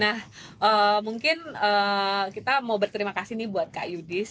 nah mungkin kita mau berterima kasih nih buat kak yudis